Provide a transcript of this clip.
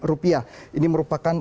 rupiah ini merupakan